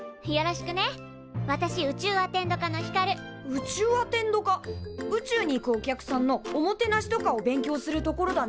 宇宙アテンド科宇宙に行くお客さんのおもてなしとかを勉強するところだね。